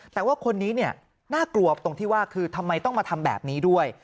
แต่ว่าคนนี้เนี่ยน่ากลัวตรงที่ว่าคือทำไมต้องมาทำแบบนี้ด้วย